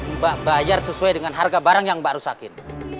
mbak bayar sesuai dengan harga barang yang mbak rusakin